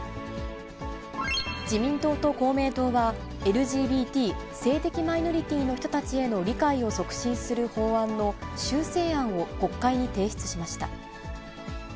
自民党と公明党は、ＬＧＢＴ・性的マイノリティーの人たちへの理解を促進する法案の修正案を国会に提出しました。